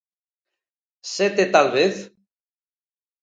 Sete talvez?